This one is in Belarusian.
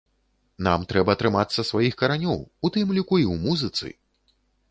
Нам трэба трымацца сваіх каранёў, у тым ліку і ў музыцы!